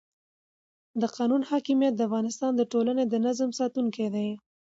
د قانون حاکمیت د افغانستان د ټولنې د نظم ساتونکی دی